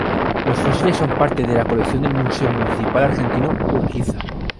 Los fósiles son parte de la colección del Museo Municipal Argentino Urquiza.